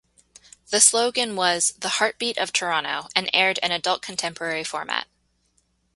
The slogan was "The Heartbeat of Toronto", and aired an adult contemporary format.